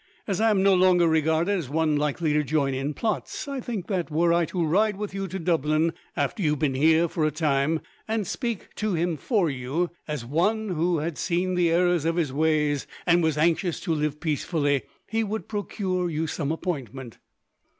As I am no longer regarded as one likely to join in plots, I think that, were I to ride with you to Dublin after you have been here for a time; and speak to him for you, as one who had seen the errors of his ways, and was anxious to live peacefully, he would procure you some appointment."